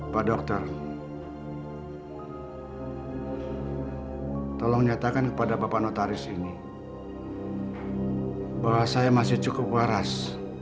pak dokter tolong nyatakan kepada bapak notaris ini bahwa saya masih cukup waras